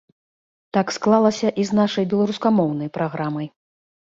Так склалася і з нашай беларускамоўнай праграмай.